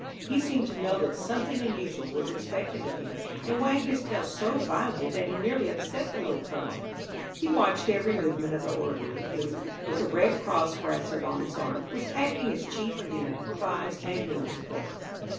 He seemed to know that something unusual was expected of him, and wagged his tail so violently that he nearly upset the Little Colonel. He watched every movement of the orderly, who, with a Red Cross brassard on his arm, was acting as chief of the improvised ambulance corps.